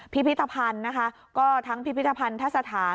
พิพิธภัณฑ์นะคะก็ทั้งพิพิธภัณฑสถาน